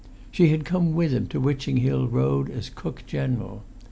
She had come with him to Witching Hill Road as cook general.